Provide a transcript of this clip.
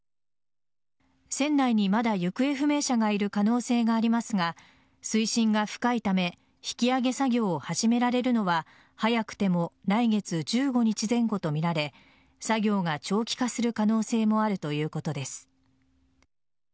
船内にまだ行方不明者がいる可能性がありますが水深が深いため引き揚げ作業を始められるのは早くても来月１５日前後とみられ作業が長期化する可能性もあるということです。